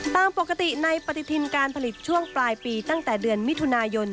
ตามปกติในปฏิทินการผลิตช่วงปลายปีตั้งแต่เดือนมิถุนายน